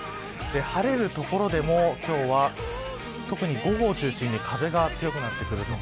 晴れる所でも今日は特に午後を中心に風が強くなってくると。